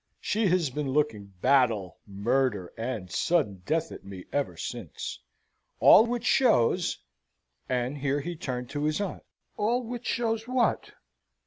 She has been looking battle, murder, and sudden death at me ever since. All which shows " and here he turned to his aunt. "All which shows what?"